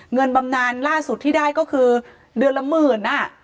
บำนานล่าสุดที่ได้ก็คือเดือนละหมื่น